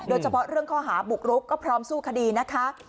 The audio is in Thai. โดยเฉพาะเรื่องข้อหาบุกรุกก็พร้อมสู้คดีนะคะ